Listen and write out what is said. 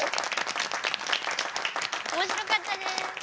おもしろかったです。